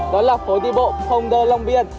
đó là phố đi bộ pond de long vien